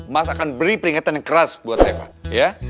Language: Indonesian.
mas akan beri peringatan yang keras buat eva ya